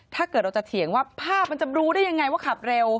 ถ้าเกิดเราจะเถียงว่าภาพมันจะรู้ได้ยังไงว่าขับเร็ว